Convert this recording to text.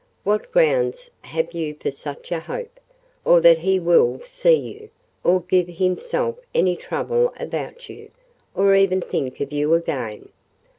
What grounds have you for such a hope—or that he will see you, or give himself any trouble about you—or even think of you again?"